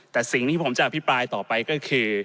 แต่สิ่งที่ผมจะอภิปรายต่อไปก็คือ